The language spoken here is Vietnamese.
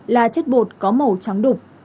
là chất bột có màu trắng đục